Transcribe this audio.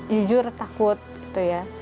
jujur takut gitu ya